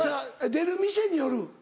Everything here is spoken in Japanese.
出る店による。